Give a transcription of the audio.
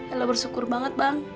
ella bersyukur banget bang